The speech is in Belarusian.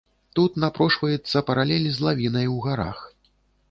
Тут напрошваецца паралель з лавінай у гарах.